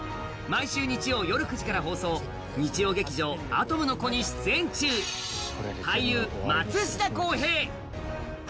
毎週日曜夜９時から放送日曜劇場「アトムの童」に出演中俳優・松下洸平。